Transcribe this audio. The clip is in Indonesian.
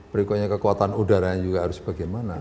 berikutnya kekuatan udaranya juga harus bagaimana